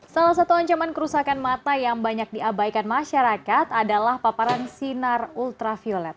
salah satu ancaman kerusakan mata yang banyak diabaikan masyarakat adalah paparan sinar ultraviolet